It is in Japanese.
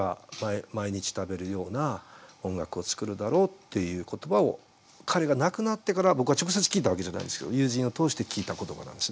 っていう言葉を彼が亡くなってから僕は直接聞いたわけじゃないんですけど友人を通して聞いた言葉なんですね。